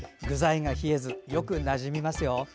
具材が冷えず、よくなじみますよ。